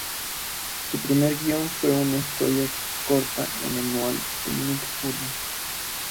Su primer guion fue para una historia corta en un Annual de Nick Furia.